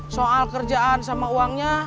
soal kerjaan sama uangnya